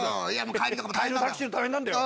帰りのタクシーも大変なんだよ。